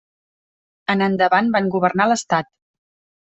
En endavant van governar l'estat.